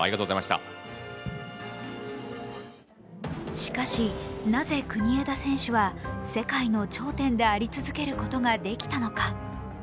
しかし、なぜ国枝選手は世界の頂点であり続けることができたのか。